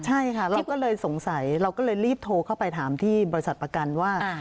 ใช่ค่ะเราก็เลยสงสัยเราก็เลยรีบโทรเข้าไปถามที่บริษัทประกันว่า